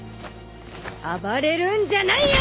暴れるんじゃないよ！